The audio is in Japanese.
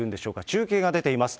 中継が出ています。